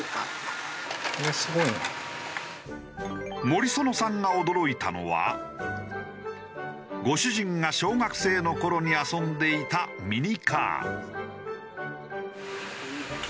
森園さんが驚いたのはご主人が小学生の頃に遊んでいたミニカー。